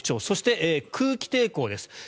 そして、空気抵抗です。